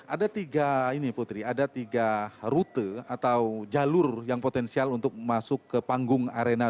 ada tiga rute atau jalur yang potensial untuk masuk ke panggung arena dua ribu dua puluh empat